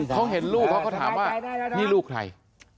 เขาเห็นลูกเขาก็ถามว่านี่ลูกใคร